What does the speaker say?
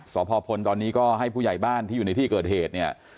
สพพลตอนนี้ก็ให้ผู้ใหญ่บ้านที่อยู่ในที่เกิดเหตุเนี่ย